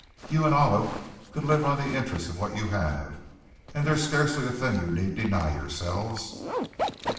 You and Olive could live on the interest of what you have, and there's scarcely a thing you need deny yourselves."